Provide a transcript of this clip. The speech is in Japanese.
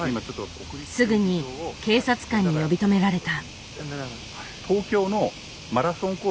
すぐに警察官に呼び止められた。